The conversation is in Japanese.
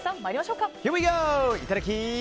いただき！